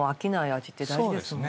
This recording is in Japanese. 味って大事ですもんね。